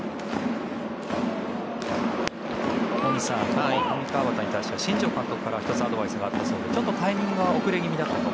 この上川畑に対しては新庄監督からは１つアドバイスがあったそうで少しタイミングが遅れ気味だったと。